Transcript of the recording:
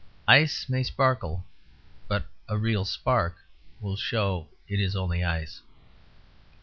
Ice may sparkle, but a real spark will show it is only ice.